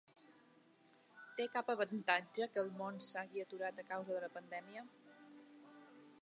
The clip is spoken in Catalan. Té cap avantatge que el món s’hagi aturat a causa de la pandèmia?